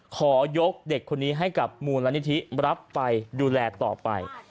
ขอยกเด็กคนนี้ให้กับมูลนิธิรับไปดูแลต่อไป